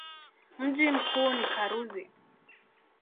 Mji mkuu ni Karuzi.